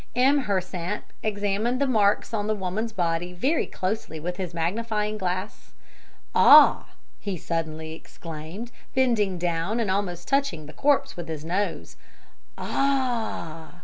M. Hersant examined the marks on the woman's body very closely with his magnifying glass. "Ah!" he suddenly exclaimed, bending down and almost touching the corpse with his nose, "Ah!"